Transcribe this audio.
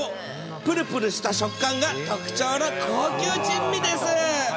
ぷるぷるした食感が特徴の高級珍味です。